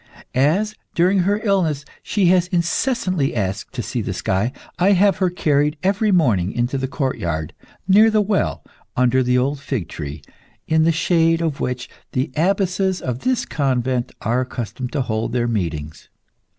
As, during her illness, she has incessantly asked to see the sky, I have her carried every morning into the courtyard, near the well, under the old fig tree, in the shade of which the abbesses of this convent are accustomed to hold their meetings.